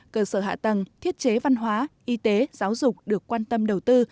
cơ sở hạ tầng thiết chế văn hóa y tế giáo dục được quan tâm đầu tư